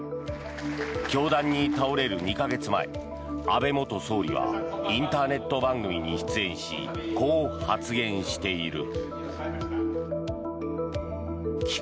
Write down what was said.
凶弾に倒れる２か月前安倍元総理はインターネット番組に出演しこう発言している。